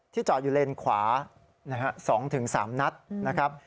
ที่จอดอยู่เลนส์ขวา๒๓นัทนะครับ